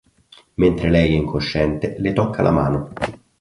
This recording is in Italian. Mentre lei è incosciente, le tocca la mano.